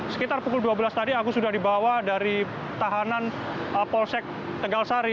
sekitar pukul dua belas tadi agus sudah dibawa dari tahanan polsek tegal sari